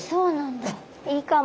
あっそうなんだ。